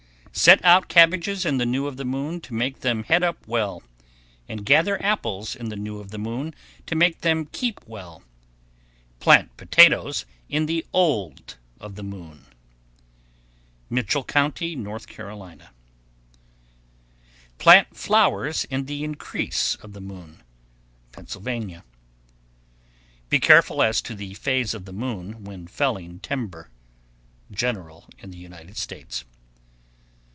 Set out cabbages in the new of the moon to make them head up well, and gather apples in the new of the moon to make them keep well. Plant potatoes in the old of the moon. Mitchell Co., N.C. 1115. Plant flowers in the increase of the moon. Pennsylvania. 1116. Be careful as to the phase of the moon when felling timber. _General in the United States.